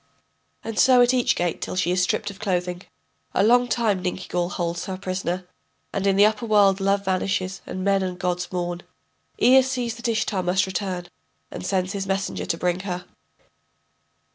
[And so at each gate till she is stripped of clothing. A long time Ninkigal holds her prisoner, and in the upper world love vanishes and men and gods mourn. Ea sees that Ishtar must return, and sends his messenger to bring her.